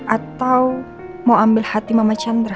atau mau ambil hati mama chandra